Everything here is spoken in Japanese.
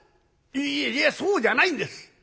いえいえそうじゃないんです。